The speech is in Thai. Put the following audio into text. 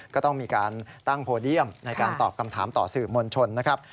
ก็ต้องมีการตั้งโพเดียมในการตอบคำถามต่อสื่อมวลชนนะครับ